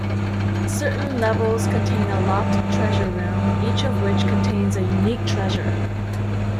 Certain levels contain a locked treasure room, each of which contains a unique treasure.